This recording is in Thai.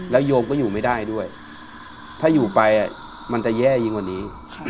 โยมก็อยู่ไม่ได้ด้วยถ้าอยู่ไปมันจะแย่ยิ่งกว่านี้